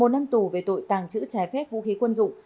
một năm tù về tội tàng trữ trái phép vũ khí quân dụng